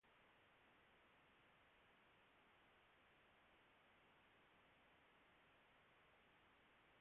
Son élevage se développe dans l'espoir, encore lointain, d'enrayer le braconnage.